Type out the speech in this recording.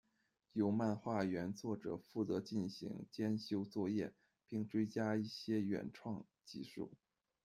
由漫画原作者负责进行监修作业，并追加一些原创集数。